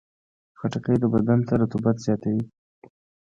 خټکی بدن ته رطوبت زیاتوي.